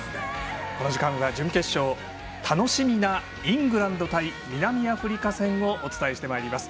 この時間は準決勝、楽しみなイングランド対南アフリカ戦をお伝えしてまいります。